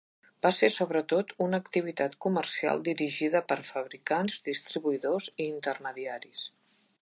Va ser sobretot una activitat comercial dirigida per fabricants, distribuïdors i intermediaris.